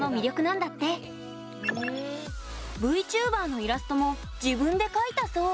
ＶＴｕｂｅｒのイラストも自分で描いたそう。